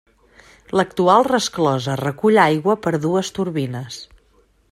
L'actual resclosa recull aigua per a dues turbines.